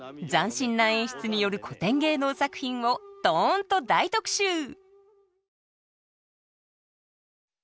斬新な演出による古典芸能作品をドンと大特集！